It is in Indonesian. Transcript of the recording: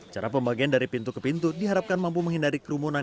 cara pembagian dari pintu ke pintu diharapkan mampu menghindari kerumunan